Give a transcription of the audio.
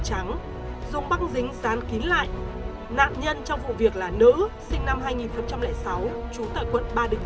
trắng dùng băng dính dán lại nạn nhân trong vụ việc là nữ sinh năm hai nghìn sáu trú tại quận ba đình